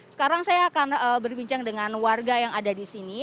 sekarang saya akan berbincang dengan warga yang ada di sini